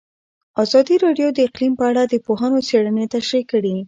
ازادي راډیو د اقلیم په اړه د پوهانو څېړنې تشریح کړې.